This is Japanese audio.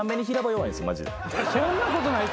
そんなことない。